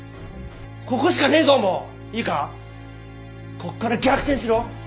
こっから逆転しろ。